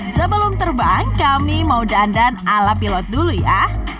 sebelum terbang kami mau dandan ala pilot dulu ya